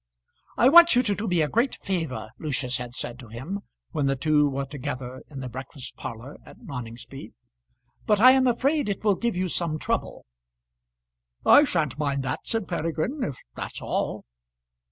"I want you to do me a great favour," Lucius had said to him, when the two were together in the breakfast parlour at Noningsby; "but I am afraid it will give you some trouble." "I sha'n't mind that," said Peregrine, "if that's all."